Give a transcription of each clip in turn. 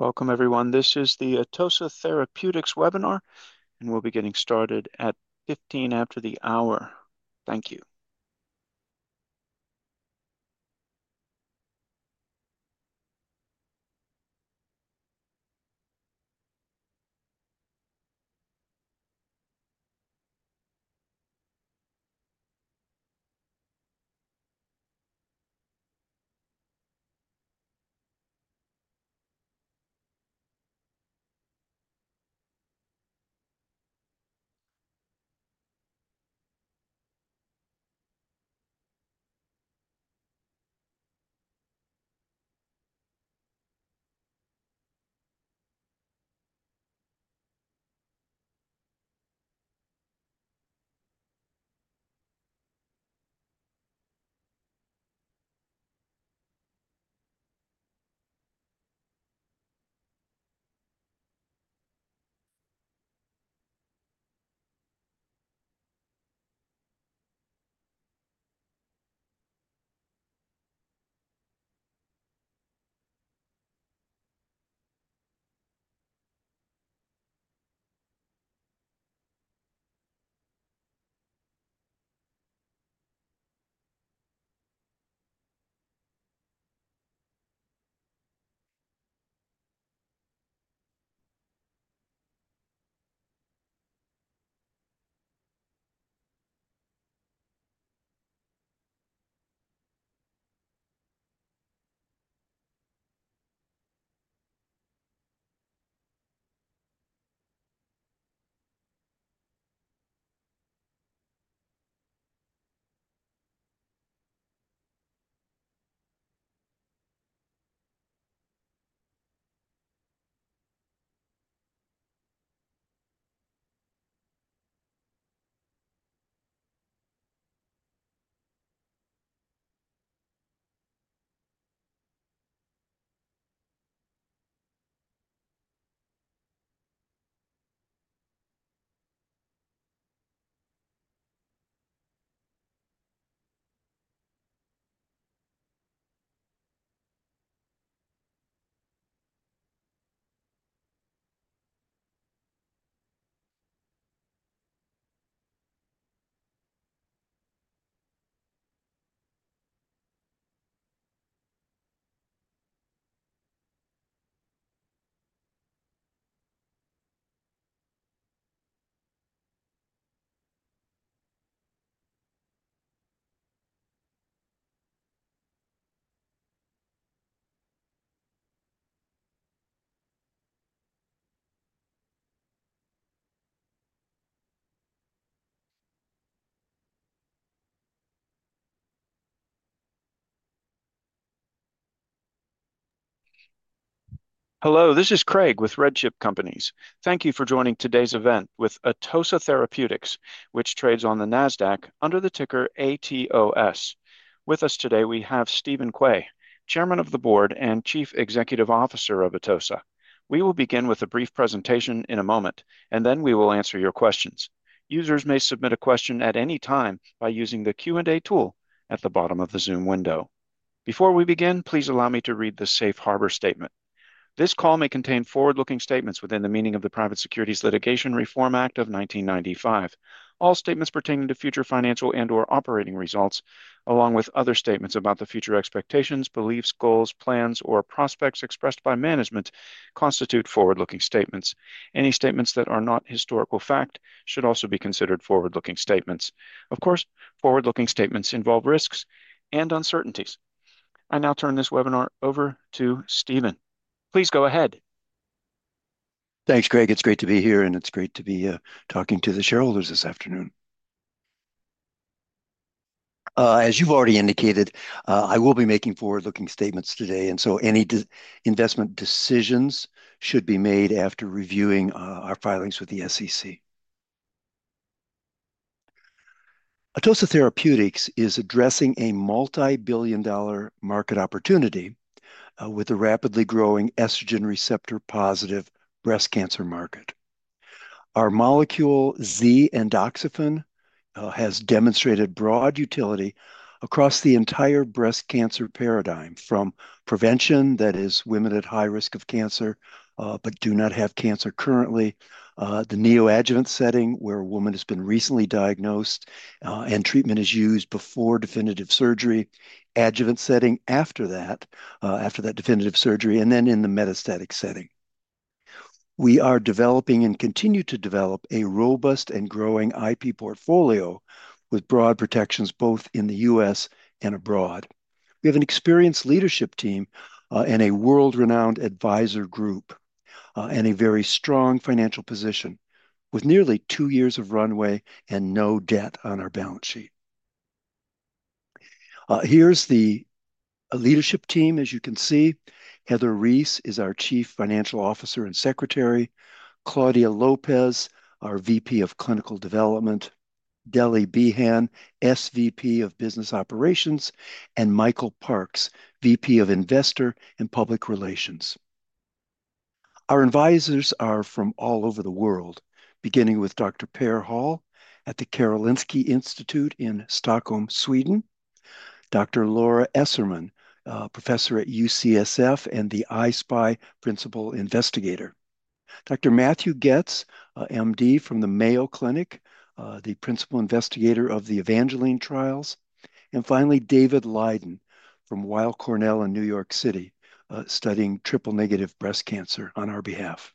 Welcome, everyone. This is the Atossa Therapeutics Webinar, and we'll be getting started at 3:00 P.M. after the hour. Thank you. Hello, this is Craig with RedChip Companies. Thank you for joining today's event with Atossa Therapeutics, which trades on the Nasdaq under the ticker ATOS. With us today, we have Steven Quay, Chairman of the Board and Chief Executive Officer of Atossa. We will begin with a brief presentation in a moment, and then we will answer your questions. Users may submit a question at any time by using the Q&A tool at the bottom of the Zoom window. Before we begin, please allow me to read the Safe Harbor Statement. This call may contain forward-looking statements within the meaning of the Private Securities Litigation Reform Act of 1995. All statements pertaining to future financial and/or operating results, along with other statements about the future expectations, beliefs, goals, plans, or prospects expressed by management, constitute forward-looking statements. Any statements that are not historical fact should also be considered forward-looking statements. Of course, forward-looking statements involve risks and uncertainties. I now turn this webinar over to Steven. Please go ahead. Thanks, Craig. It's great to be here, and it's great to be talking to the shareholders this afternoon. As you've already indicated, I will be making forward-looking statements today, and so any investment decisions should be made after reviewing our filings with the SEC. Atossa Therapeutics is addressing a multi-billion dollar market opportunity with a rapidly growing estrogen receptor positive breast cancer market. Our molecule (Z)-endoxifen has demonstrated broad utility across the entire breast cancer paradigm, from prevention—that is, women at high risk of cancer but do not have cancer currently; the neoadjuvant setting, where a woman has been recently diagnosed and treatment is used before definitive surgery; adjuvant setting after that, after that definitive surgery; and then in the metastatic setting. We are developing and continue to develop a robust and growing IP portfolio with broad protections both in the U.S. and abroad. We have an experienced leadership team and a world-renowned advisor group and a very strong financial position with nearly two years of runway and no debt on our balance sheet. Here is the leadership team, as you can see. Heather Rees is our Chief Financial Officer and Secretary. Claudia Lopez, our VP of Clinical Development. Delly Behen, SVP of Business Operations, and Michael Parks, VP of Investor and Public Relations. Our advisors are from all over the world, beginning with Dr. Per Hall at the Karolinska Institutet in Stockholm, Sweden. Dr. Laura Esserman, Professor at UCSF and the I-SPY Principal Investigator. Dr. Matthew Goetz, M.D. from the Mayo Clinic, the Principal Investigator of the EVANGELINE Trials. Finally, David Lyden from Weill Cornell in New York City, studying triple-negative breast cancer on our behalf.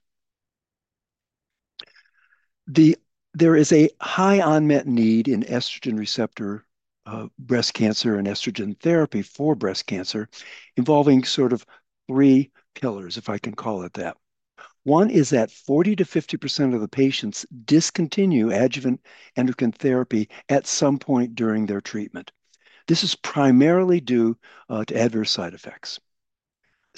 There is a high unmet need in estrogen receptor breast cancer and estrogen therapy for breast cancer involving sort of three pillars, if I can call it that. One is that 40%-50% of the patients discontinue adjuvant endocrine therapy at some point during their treatment. This is primarily due to adverse side effects.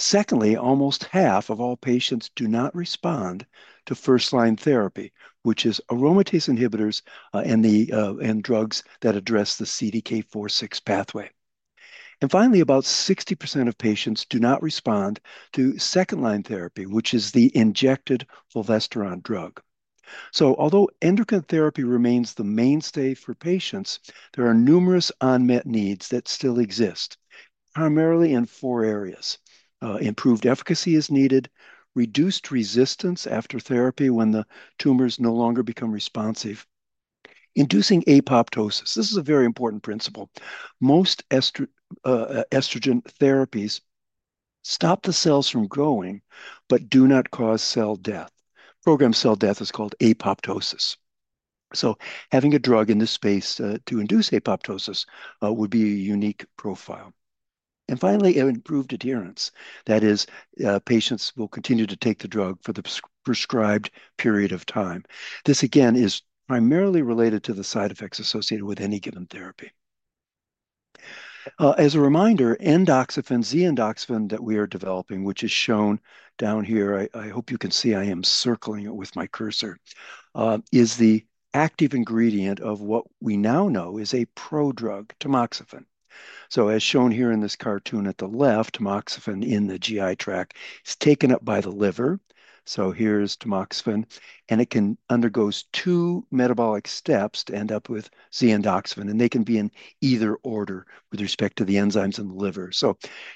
Secondly, almost 1/2 of all patients do not respond to first-line therapy, which is aromatase inhibitors and drugs that address the CDK4/6 pathway. Finally, about 60% of patients do not respond to second-line therapy, which is the injected fulvestrant drug. Although endocrine therapy remains the mainstay for patients, there are numerous unmet needs that still exist, primarily in four areas: improved efficacy as needed, reduced resistance after therapy when the tumors no longer become responsive, inducing apoptosis. This is a very important principle. Most estrogen therapies stop the cells from growing but do not cause cell death. Programmed cell death is called apoptosis. Having a drug in this space to induce apoptosis would be a unique profile. Finally, improved adherence. That is, patients will continue to take the drug for the prescribed period of time. This, again, is primarily related to the side effects associated with any given therapy. As a reminder, endoxifen, (Z)-endoxifen that we are developing, which is shown down here, I hope you can see I am circling it with my cursor, is the active ingredient of what we now know is a pro-drug tamoxifen. As shown here in this cartoon at the left, tamoxifen in the GI tract is taken up by the liver. Here is tamoxifen, and it undergoes two metabolic steps to end up with (Z)-endoxifen, and they can be in either order with respect to the enzymes in the liver.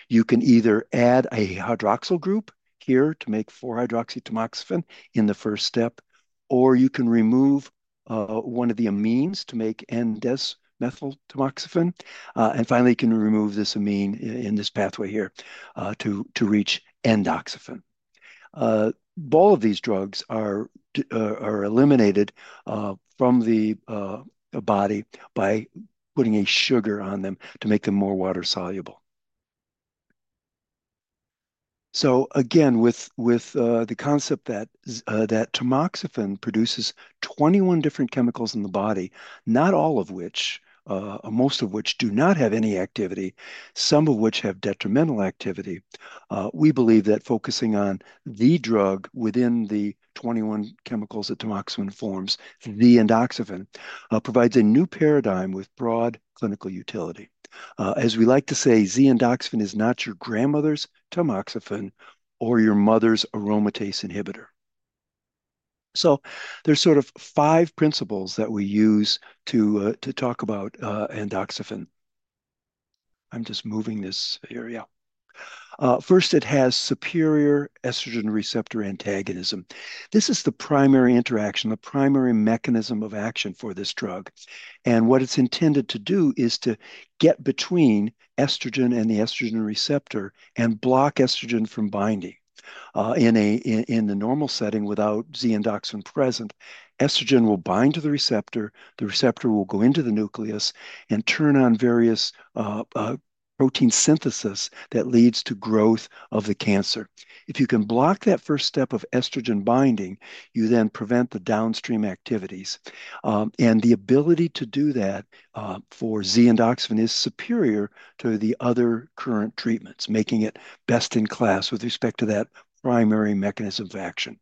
You can either add a hydroxyl group here to make 4-hydroxytamoxifen in the first step, or you can remove one of the amines to make N-desmethyl-tamoxifen. Finally, you can remove this amine in this pathway here to reach endoxifen. All of these drugs are eliminated from the body by putting a sugar on them to make them more water-soluble. Again, with the concept that tamoxifen produces 21 different chemicals in the body, not all of which, most of which do not have any activity, some of which have detrimental activity, we believe that focusing on the drug within the 21 chemicals that tamoxifen forms, (Z)-endoxifen, provides a new paradigm with broad clinical utility. As we like to say, (Z)-endoxifen is not your grandmother's tamoxifen or your mother's aromatase inhibitor. There are sort of five principles that we use to talk about endoxifen. I'm just moving this area. First, it has superior estrogen receptor antagonism. This is the primary interaction, the primary mechanism of action for this drug. What it's intended to do is to get between estrogen and the estrogen receptor and block estrogen from binding. In the normal setting, without (Z)-endoxifen present, estrogen will bind to the receptor, the receptor will go into the nucleus, and turn on various protein synthesis that leads to growth of the cancer. If you can block that first step of estrogen binding, you then prevent the downstream activities. The ability to do that for (Z)-endoxifen is superior to the other current treatments, making it best in class with respect to that primary mechanism of action.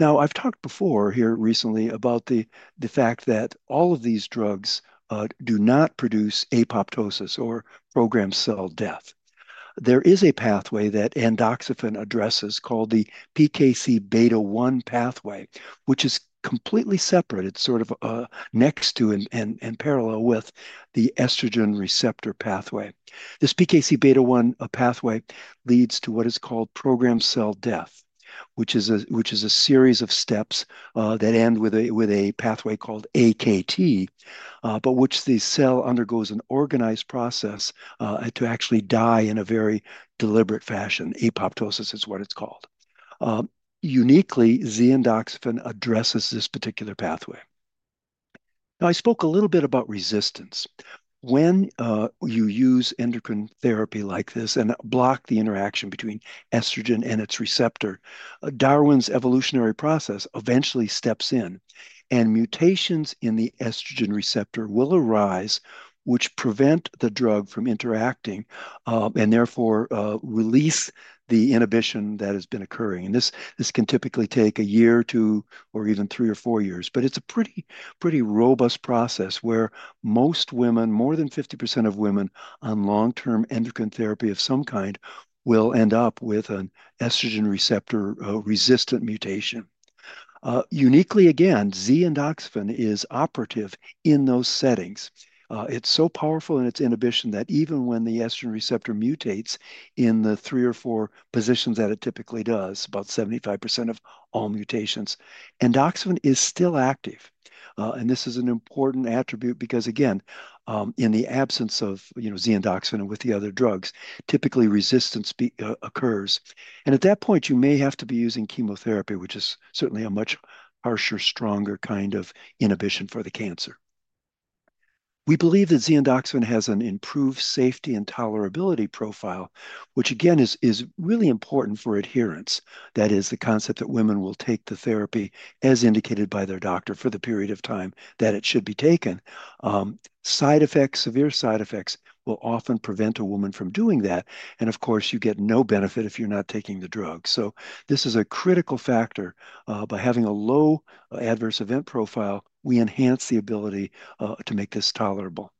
Now, I've talked before here recently about the fact that all of these drugs do not produce apoptosis or programmed cell death. There is a pathway that (Z)-endoxifen addresses called the PKCß1 pathway, which is completely separate. It's sort of next to and parallel with the estrogen receptor pathway. This PKCß1 pathway leads to what is called programmed cell death, which is a series of steps that end with a pathway called AKT, but which the cell undergoes an organized process to actually die in a very deliberate fashion. Apoptosis is what it's called. Uniquely, (Z)-endoxifen addresses this particular pathway. Now, I spoke a little bit about resistance. When you use endocrine therapy like this and block the interaction between estrogen and its receptor, Darwin's evolutionary process eventually steps in, and mutations in the estrogen receptor will arise which prevent the drug from interacting and therefore release the inhibition that has been occurring. This can typically take a year or two or even three or four years, but it's a pretty robust process where most women, more than 50% of women on long-term endocrine therapy of some kind, will end up with an estrogen receptor resistant mutation. Uniquely, again, (Z)-endoxifen is operative in those settings. It's so powerful in its inhibition that even when the estrogen receptor mutates in the three or four positions that it typically does, about 75% of all mutations, (Z)-endoxifen is still active. This is an important attribute because, again, in the absence of (Z)-endoxifen and with the other drugs, typically resistance occurs. At that point, you may have to be using chemotherapy, which is certainly a much harsher, stronger kind of inhibition for the cancer. We believe that (Z)-endoxifen has an improved safety and tolerability profile, which again is really important for adherence. That is the concept that women will take the therapy as indicated by their doctor for the period of time that it should be taken. Side effects, severe side effects will often prevent a woman from doing that. Of course, you get no benefit if you're not taking the drug. This is a critical factor. By having a low adverse event profile, we enhance the ability to make this tolerable.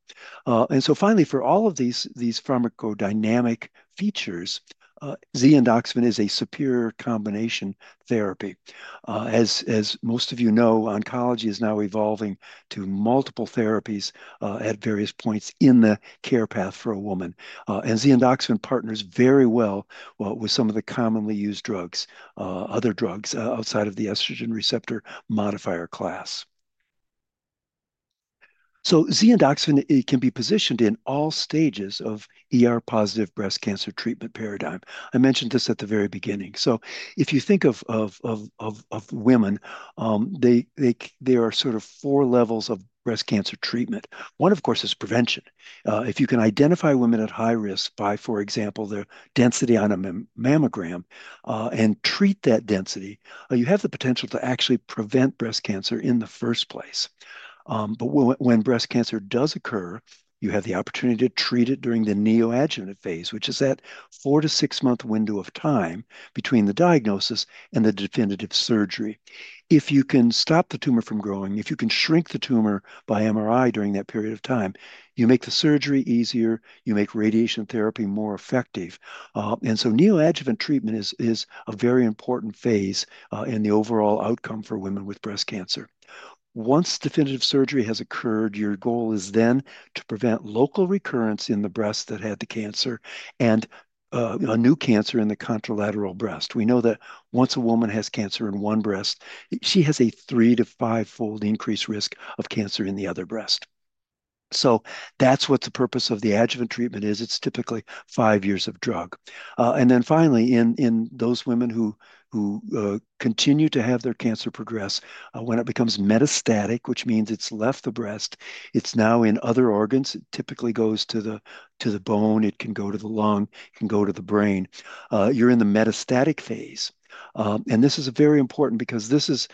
Finally, for all of these pharmacodynamic features, (Z)-endoxifen is a superior combination therapy. As most of you know, oncology is now evolving to multiple therapies at various points in the care path for a woman. (Z)-endoxifen partners very well with some of the commonly used drugs, other drugs outside of the estrogen receptor modifier class. (Z)-endoxifen can be positioned in all stages of ER+ breast cancer treatment paradigm. I mentioned this at the very beginning. If you think of women, there are sort of four levels of breast cancer treatment. One, of course, is prevention. If you can identify women at high risk by, for example, their density on a mammogram and treat that density, you have the potential to actually prevent breast cancer in the first place. When breast cancer does occur, you have the opportunity to treat it during the neoadjuvant phase, which is that four to six-month window of time between the diagnosis and the definitive surgery. If you can stop the tumor from growing, if you can shrink the tumor by MRI during that period of time, you make the surgery easier, you make radiation therapy more effective. Neoadjuvant treatment is a very important phase in the overall outcome for women with breast cancer. Once definitive surgery has occurred, your goal is then to prevent local recurrence in the breast that had the cancer and a new cancer in the contralateral breast. We know that once a woman has cancer in one breast, she has a three to five-fold increased risk of cancer in the other breast. That's what the purpose of the adjuvant treatment is. It's typically five years of drug. And then finally, in those women who continue to have their cancer progress, when it becomes metastatic, which means it's left the breast, it's now in other organs. It typically goes to the bone, it can go to the lung, it can go to the brain. You're in the metastatic phase. This is very important because this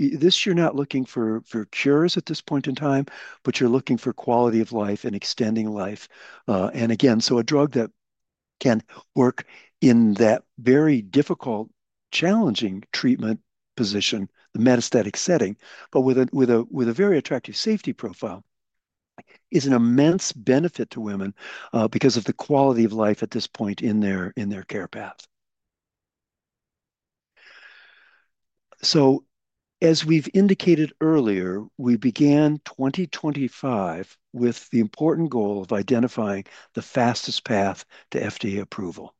year you're not looking for cures at this point in time, but you're looking for quality of life and extending life. Again, a drug that can work in that very difficult, challenging treatment position, the metastatic setting, but with a very attractive safety profile, is an immense benefit to women because of the quality of life at this point in their care path. As we've indicated earlier, we began 2025 with the important goal of identifying the fastest path to FDA approval.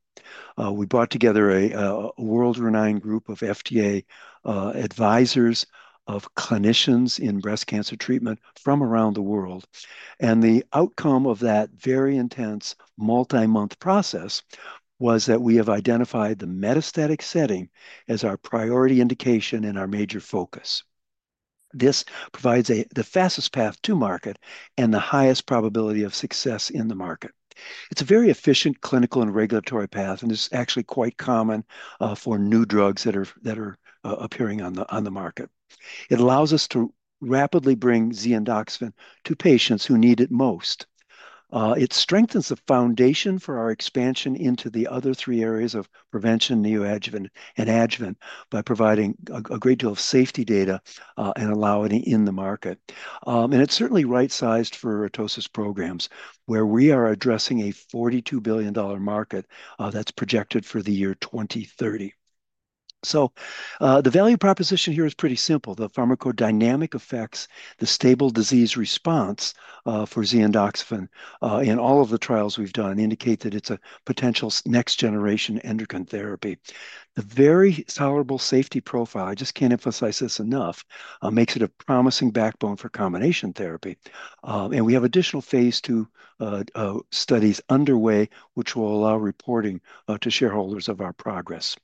We brought together a world-renowned group of FDA advisors, of clinicians in breast cancer treatment from around the world. The outcome of that very intense multi-month process was that we have identified the metastatic setting as our priority indication and our major focus. This provides the fastest path to market and the highest probability of success in the market. It is a very efficient clinical and regulatory path, and it is actually quite common for new drugs that are appearing on the market. It allows us to rapidly bring (Z)-endoxifen to patients who need it most. It strengthens the foundation for our expansion into the other three areas of prevention, neoadjuvant, and adjuvant by providing a great deal of safety data and allowing it in the market. It is certainly right-sized for Atossa's programs where we are addressing a $42 billion market that is projected for the year 2030. The value proposition here is pretty simple. The pharmacodynamic effects, the stable disease response for (Z)-endoxifen in all of the trials we've done indicate that it's a potential next-generation endocrine therapy. The very tolerable safety profile, I just can't emphasize this enough, makes it a promising backbone for combination therapy. We have additional phase II studies underway, which will allow reporting to shareholders of our progress.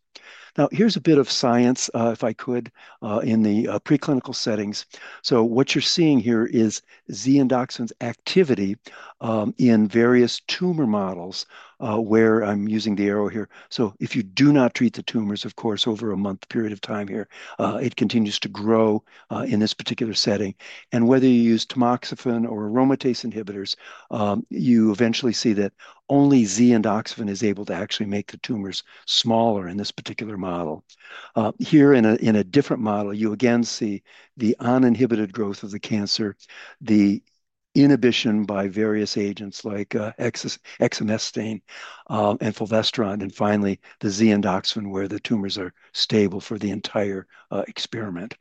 Now, here's a bit of science, if I could, in the preclinical settings. What you're seeing here is (Z)-endoxifen's activity in various tumor models where I'm using the arrow here. If you do not treat the tumors, of course, over a month period of time here, it continues to grow in this particular setting. Whether you use tamoxifen or aromatase inhibitors, you eventually see that only (Z)-endoxifen is able to actually make the tumors smaller in this particular model. Here in a different model, you again see the uninhibited growth of the cancer, the inhibition by various agents like exemestane and fulvestrant, and finally the (Z)-endoxifen where the tumors are stable for the entire experiment.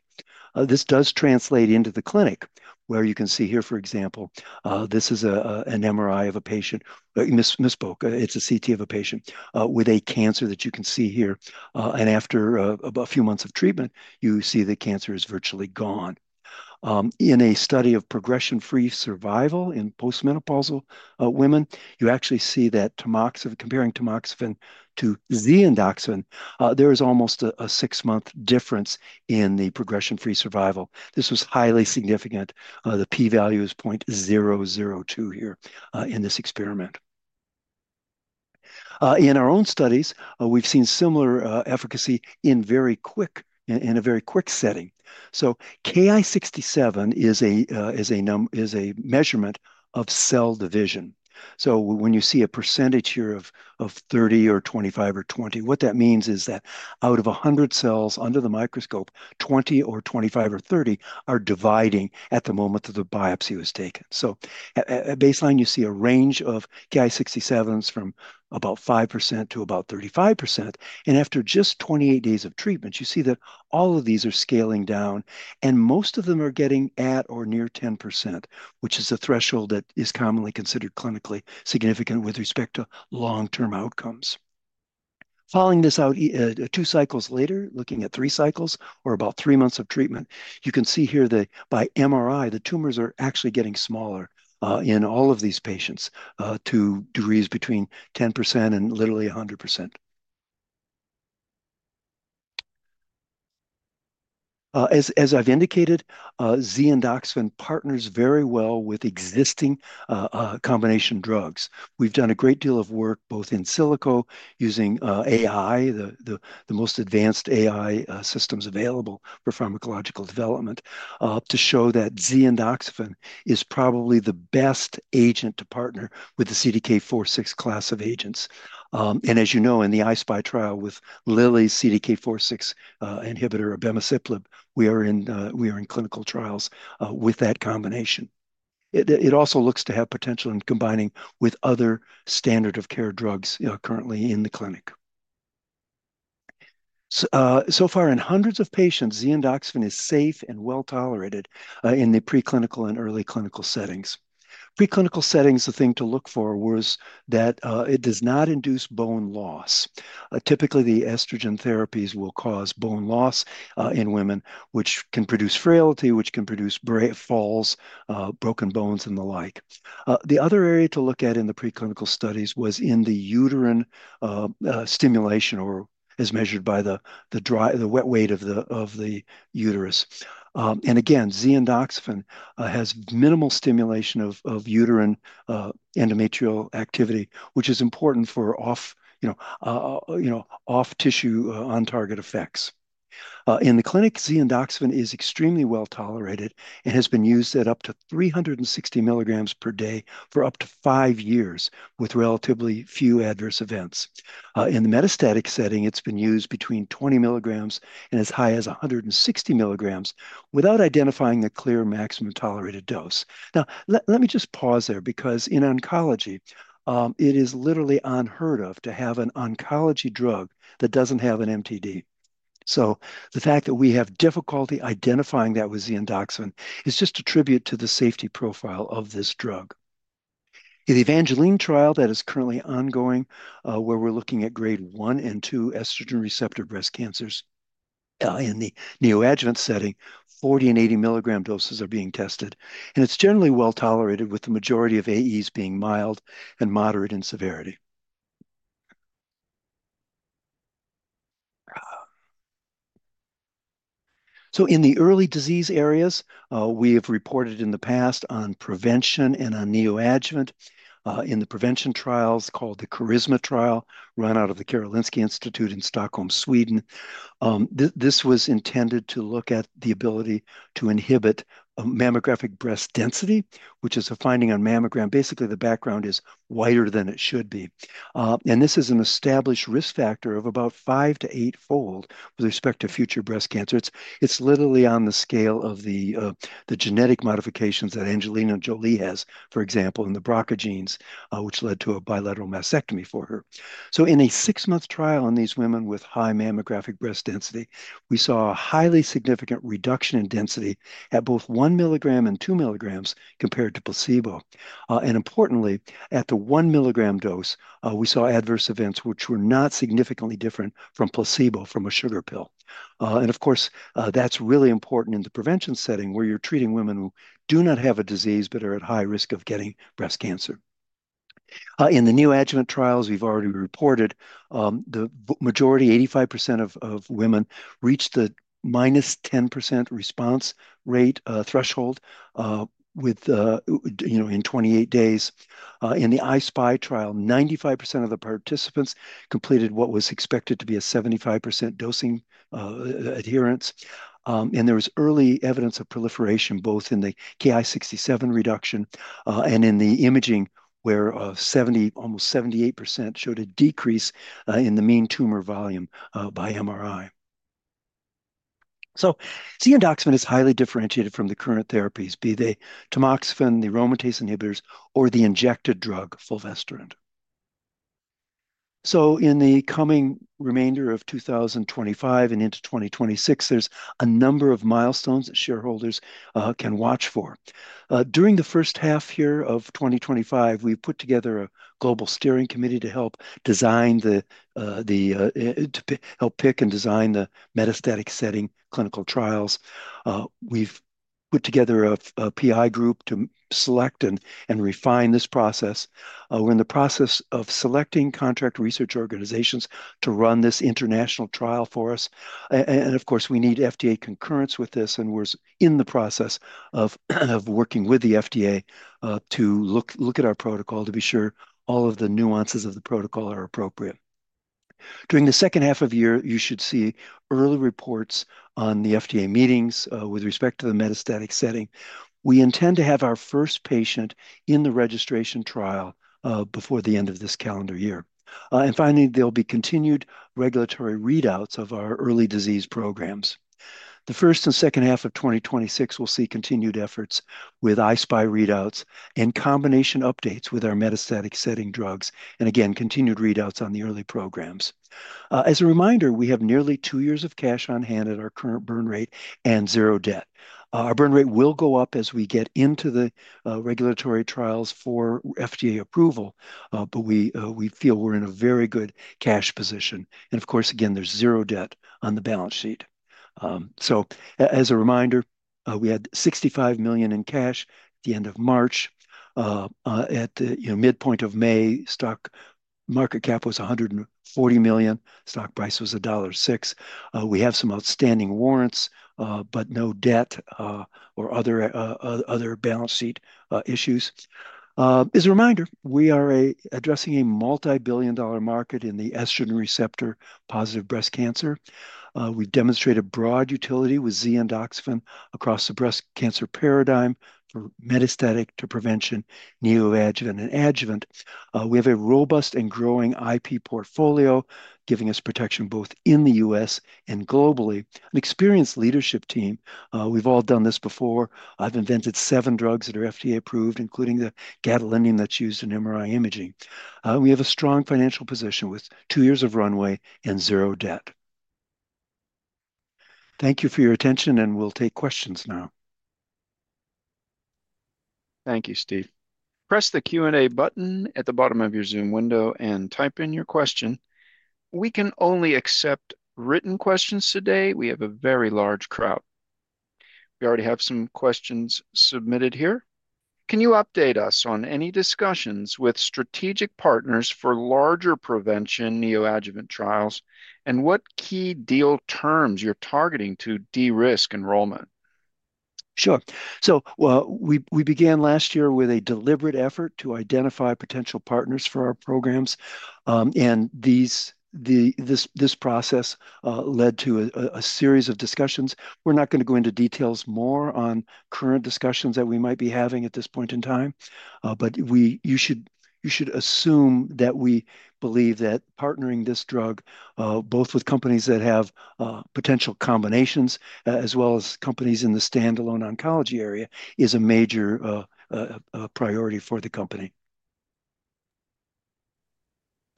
This does translate into the clinic where you can see here, for example, this is an MRI of a patient. I misspoke. It's a CT of a patient with a cancer that you can see here. After a few months of treatment, you see the cancer is virtually gone. In a study of progression-free survival in postmenopausal women, you actually see that comparing tamoxifen to (Z)-endoxifen, there is almost a six-month difference in the progression-free survival. This was highly significant. The p-value is 0.002 here in this experiment. In our own studies, we've seen similar efficacy in a very quick setting. Ki-67 is a measurement of cell division. When you see a percentage here of 30% or 25% or 20%, what that means is that out of 100 cells under the microscope, 20 or 25 or 30 are dividing at the moment that the biopsy was taken. At baseline, you see a range of Ki-67s from about 5% to about 35%. After just 28 days of treatment, you see that all of these are scaling down, and most of them are getting at or near 10%, which is a threshold that is commonly considered clinically significant with respect to long-term outcomes. Following this out two cycles later, looking at three cycles or about three months of treatment, you can see here that by MRI, the tumors are actually getting smaller in all of these patients to degrees between 10% and literally 100%. As I've indicated, (Z)-endoxifen partners very well with existing combination drugs. We've done a great deal of work both in silico using AI, the most advanced AI systems available for pharmacological development, to show that (Z)-endoxifen is probably the best agent to partner with the CDK4/6 class of agents. As you know, in the I-SPY TRIAL with Lilly's CDK4/6 inhibitor, abemaciclib, we are in clinical trials with that combination. It also looks to have potential in combining with other standard-of-care drugs currently in the clinic. So far, in 100s of patients, (Z)-endoxifen is safe and well tolerated in the preclinical and early clinical settings. Preclinical settings, the thing to look for was that it does not induce bone loss. Typically, the estrogen therapies will cause bone loss in women, which can produce frailty, which can produce falls, broken bones, and the like. The other area to look at in the preclinical studies was in the uterine stimulation or as measured by the wet weight of the uterus. (Z)-endoxifen has minimal stimulation of uterine endometrial activity, which is important for off-tissue on-target effects. In the clinic, (Z)-endoxifen is extremely well tolerated and has been used at up to 360 mg per day for up to five years with relatively few adverse events. In the metastatic setting, it's been used between 20 mg and as high as 160 mg without identifying a clear maximum tolerated dose. Now, let me just pause there because in oncology, it is literally unheard of to have an oncology drug that doesn't have an MTD. The fact that we have difficulty identifying that with (Z)-endoxifen is just a tribute to the safety profile of this drug. In the EVANGELINE trial that is currently ongoing, where we're looking at grade one and two estrogen-receptor breast cancers in the neoadjuvant setting, 40 and 80 mg doses are being tested. It is generally well tolerated with the majority of AEs being mild and moderate in severity. In the early disease areas, we have reported in the past on prevention and on neoadjuvant in the prevention trials called the KARISMA trial run out of the Karolinska Institutet in Stockholm, Sweden. This was intended to look at the ability to inhibit mammographic breast density, which is a finding on mammogram. Basically, the background is whiter than it should be. This is an established risk factor of about fivefold-eightfold with respect to future breast cancer. It's literally on the scale of the genetic modifications that Angelina Jolie has, for example, in the BRCA genes, which led to a bilateral mastectomy for her. In a six-month trial on these women with high mammographic breast density, we saw a highly significant reduction in density at both 1 mg and 2 mg compared to placebo. Importantly, at the 1 mg dose, we saw adverse events which were not significantly different from placebo, from a sugar pill. Of course, that's really important in the prevention setting where you're treating women who do not have a disease but are at high risk of getting breast cancer. In the neoadjuvant trials, we've already reported the majority, 85% of women reached the -10% response rate threshold in 28 days. In the I-SPY TRIAL, 95% of the participants completed what was expected to be a 75% dosing adherence. There was early evidence of proliferation both in the Ki-67 reduction and in the imaging where almost 78% showed a decrease in the mean tumor volume by MRI. (Z)-endoxifen is highly differentiated from the current therapies, be they tamoxifen, the aromatase inhibitors, or the injected drug, fulvestrant. In the coming remainder of 2025 and into 2026, there are a number of milestones that shareholders can watch for. During the first half here of 2025, we have put together a global steering committee to help pick and design the metastatic setting clinical trials. We have put together a PI group to select and refine this process. We are in the process of selecting contract research organizations to run this international trial for us. Of course, we need FDA concurrence with this, and we're in the process of working with the FDA to look at our protocol to be sure all of the nuances of the protocol are appropriate. During the second half of the year, you should see early reports on the FDA meetings with respect to the metastatic setting. We intend to have our first patient in the registration trial before the end of this calendar year. Finally, there'll be continued regulatory readouts of our early disease programs. The first and second half of 2026 will see continued efforts with I-SPY readouts and combination updates with our metastatic setting drugs. Again, continued readouts on the early programs. As a reminder, we have nearly two years of cash on hand at our current burn rate and zero debt. Our burn rate will go up as we get into the regulatory trials for FDA approval, but we feel we're in a very good cash position. Of course, again, there's zero debt on the balance sheet. As a reminder, we had $65 million in cash at the end of March. At the midpoint of May, stock market cap was $140 million. Stock price was $1.06. We have some outstanding warrants, but no debt or other balance sheet issues. As a reminder, we are addressing a multi-billion dollar market in the estrogen receptor positive breast cancer. We've demonstrated broad utility with (Z)-endoxifen across the breast cancer paradigm for metastatic to prevention, neoadjuvant, and adjuvant. We have a robust and growing IP portfolio giving us protection both in the U.S. and globally. An experienced leadership team. We've all done this before. I've invented seven drugs that are FDA approved, including the gadolinium that's used in MRI imaging. We have a strong financial position with two years of runway and zero debt. Thank you for your attention, and we'll take questions now. Thank you, Steve. Press the Q&A button at the bottom of your Zoom window and type in your question. We can only accept written questions today. We have a very large crowd. We already have some questions submitted here. Can you update us on any discussions with strategic partners for larger prevention neoadjuvant trials and what key deal terms you're targeting to de-risk enrollment? Sure. We began last year with a deliberate effort to identify potential partners for our programs. This process led to a series of discussions. We're not going to go into details more on current discussions that we might be having at this point in time. You should assume that we believe that partnering this drug both with companies that have potential combinations as well as companies in the standalone oncology area is a major priority for the company.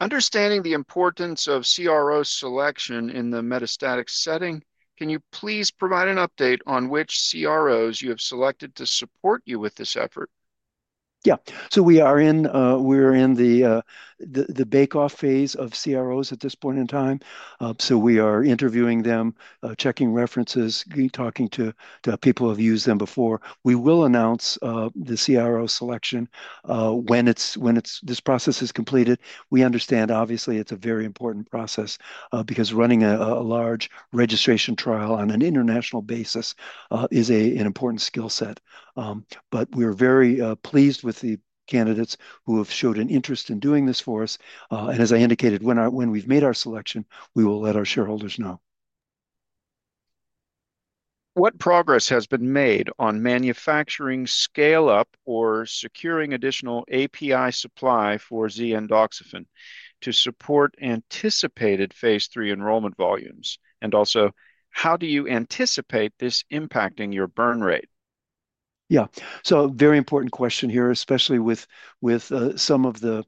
Understanding the importance of CRO selection in the metastatic setting, can you please provide an update on which CROs you have selected to support you with this effort? Yeah. We are in the bake-off phase of CROs at this point in time. We are interviewing them, checking references, talking to people who have used them before. We will announce the CRO selection when this process is completed. We understand, obviously, it's a very important process because running a large registration trial on an international basis is an important skill set. We are very pleased with the candidates who have showed an interest in doing this for us. As I indicated, when we have made our selection, we will let our shareholders know. What progress has been made on manufacturing scale-up or securing additional API supply for (Z)-endoxifen to support anticipated phase III enrollment volumes? Also, how do you anticipate this impacting your burn rate? Yeah. Very important question here, especially with some of the,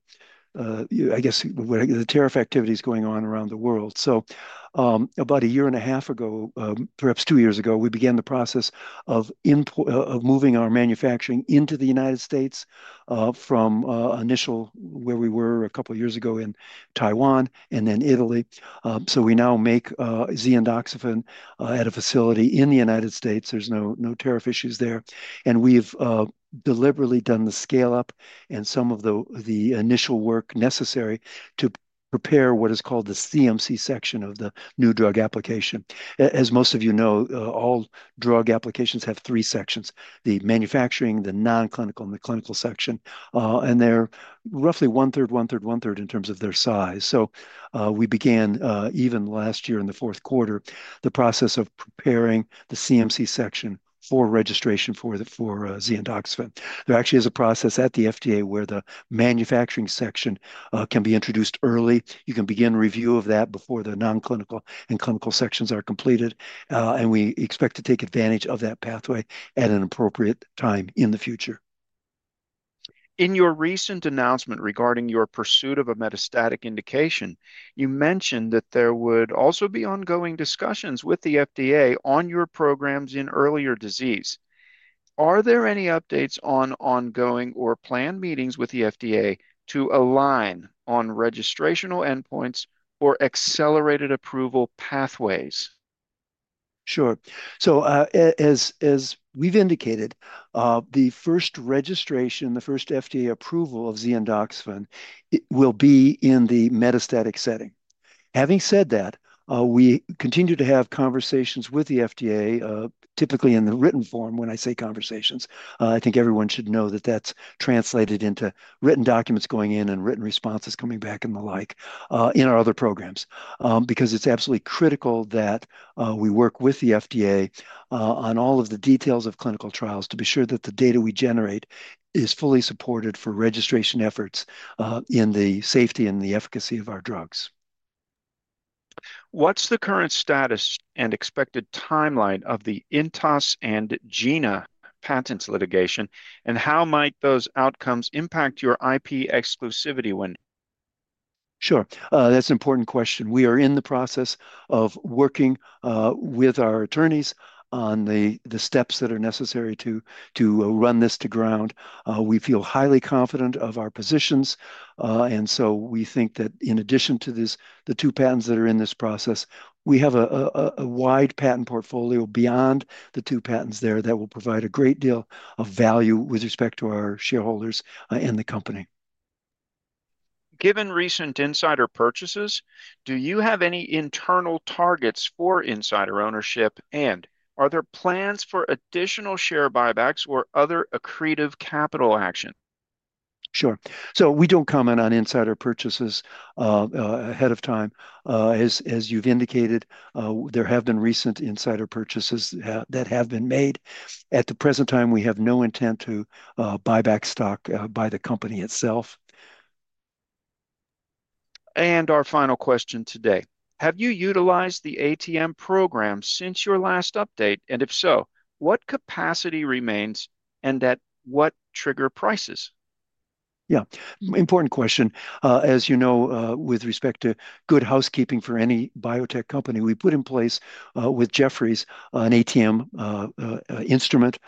I guess, the tariff activities going on around the world. About a year and a half ago, perhaps two years ago, we began the process of moving our manufacturing into the United States from where we were a couple of years ago in Taiwan and then Italy. We now make (Z)-endoxifen at a facility in the United States. There are no tariff issues there. We have deliberately done the scale-up and some of the initial work necessary to prepare what is called the CMC section of the new drug application. As most of you know, all drug applications have three sections: the manufacturing, the non-clinical, and the clinical section. They are roughly 1/3, 1/3, 1/3 in terms of their size. We began even last year in the fourth quarter the process of preparing the CMC section for registration for (Z)-endoxifen. There actually is a process at the FDA where the manufacturing section can be introduced early. You can begin review of that before the non-clinical and clinical sections are completed. We expect to take advantage of that pathway at an appropriate time in the future. In your recent announcement regarding your pursuit of a metastatic indication, you mentioned that there would also be ongoing discussions with the FDA on your programs in earlier disease. Are there any updates on ongoing or planned meetings with the FDA to align on registrational endpoints or accelerated approval pathways? Sure. As we've indicated, the first registration, the first FDA approval of (Z)-endoxifen will be in the metastatic setting. Having said that, we continue to have conversations with the FDA, typically in the written form. When I say conversations, I think everyone should know that that is translated into written documents going in and written responses coming back and the like in our other programs. Because it's absolutely critical that we work with the FDA on all of the details of clinical trials to be sure that the data we generate is fully supported for registration efforts in the safety and the efficacy of our drugs. What's the current status and expected timeline of the INTAS and GINA patents litigation? And how might those outcomes impact your IP exclusivity when? Sure. That's an important question. We are in the process of working with our attorneys on the steps that are necessary to run this to ground. We feel highly confident of our positions. We think that in addition to the two patents that are in this process, we have a wide patent portfolio beyond the two patents there that will provide a great deal of value with respect to our shareholders and the company. Given recent insider purchases, do you have any internal targets for insider ownership? Are there plans for additional share buybacks or other accretive capital action? Sure. We do not comment on insider purchases ahead of time. As you have indicated, there have been recent insider purchases that have been made. At the present time, we have no intent to buy back stock by the company itself. Our final question today. Have you utilized the ATM program since your last update? If so, what capacity remains and at what trigger prices? Yeah. Important question. As you know, with respect to good housekeeping for any biotech company, we put in place with Jefferies an ATM instrument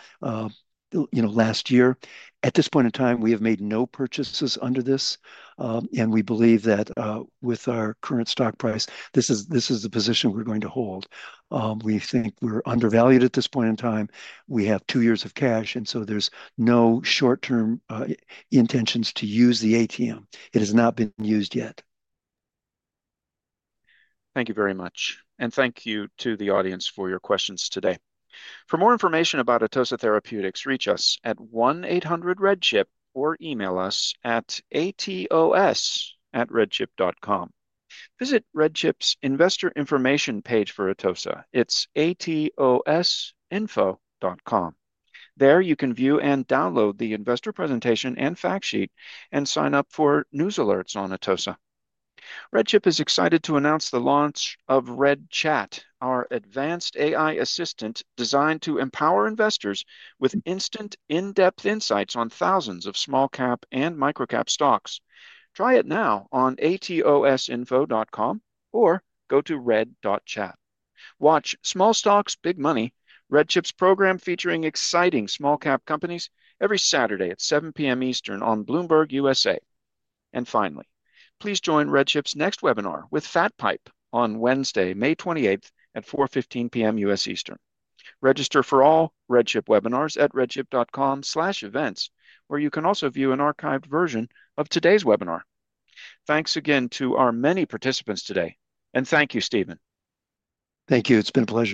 last year. At this point in time, we have made no purchases under this. We believe that with our current stock price, this is the position we are going to hold. We think we're undervalued at this point in time. We have two years of cash. There is no short-term intention to use the ATM. It has not been used yet. Thank you very much. Thank you to the audience for your questions today. For more information about Atossa Therapeutics, reach us at 1-800-REDCHIP or email us at atos@redchip.com. Visit RedChip's investor information page for Atossa. It is atosinfo.com. There you can view and download the investor presentation and fact sheet and sign up for news alerts on Atossa. RedChip is excited to announce the launch of RedChat, our advanced AI assistant designed to empower investors with instant in-depth insights on thousands of small-cap and microcap stocks. Try it now on atosinfo.com or go to red.chat. Watch Small Stocks, Big Money, RedChip's program featuring exciting small-cap companies every Saturday at 7:00 P.M. Eastern on Bloomberg, USA. Finally, please join RedChip's next webinar with FatPipe on Wednesday, May 28th at 4:15 P.M. U.S. Eastern. Register for all RedChip webinars at redchip.com/events, where you can also view an archived version of today's webinar. Thanks again to our many participants today. Thank you, Steven. Thank you. It's been a pleasure.